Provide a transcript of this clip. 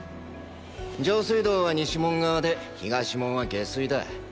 上水道は西門側で東門は下水だ。